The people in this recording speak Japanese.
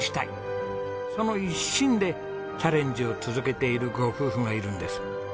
その一心でチャレンジを続けているご夫婦がいるんです。